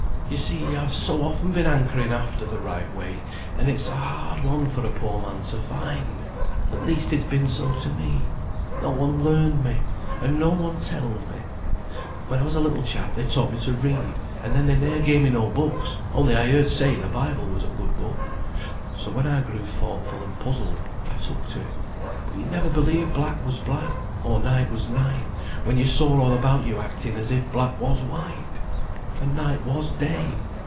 "You see I've so often been hankering after the right way; and it's a hard one for a poor man to find. At least it's been so to me. No one learned me, and no one telled me. When I was a little chap they taught me to read, and then they ne'er gave me no books; only I heard say the Bible was a good book. So when I grew thoughtful, and puzzled, I took to it. But you'd never believe black was black, or night was night, when you saw all about you acting as if black was white, and night was day.